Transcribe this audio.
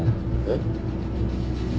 えっ？